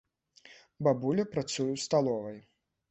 Бабуля працуе ў сталовай.